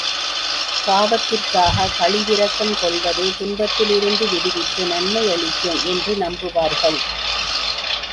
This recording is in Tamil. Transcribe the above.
பாவத்திற்காகக் கழிவிரக்கம் கொள்வதே துன்பத்திலிருந்து விடுவித்து நன்மையளிக்கும் என்று நம்புவார்கள்.